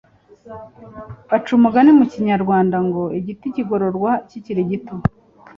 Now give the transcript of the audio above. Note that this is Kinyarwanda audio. Baca umugani mu Kinyarwanda ngo igiti kigororwa kikiri gito